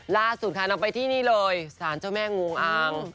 ล่าสุดค่ะนำไปที่นี่เลยสารเจ้าแม่งูอาง